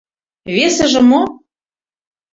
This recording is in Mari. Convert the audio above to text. — Весыже мо?